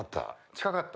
近かった？